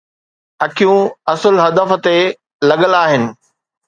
اکيون اصل هدف تي لڳل آهن.